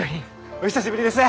お久しぶりです！